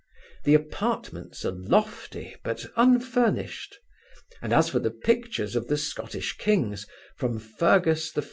The apartments are lofty, but unfurnished; and as for the pictures of the Scottish kings, from Fergus I.